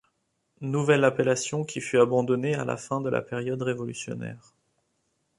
Nouvelle appellation qui fut abandonnée à la fin de la période révolutionnaire.